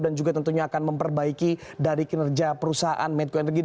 dan juga tentunya akan memperbaiki dari kinerja perusahaan medco energy